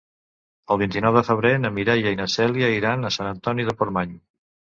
El vint-i-nou de febrer na Mireia i na Cèlia iran a Sant Antoni de Portmany.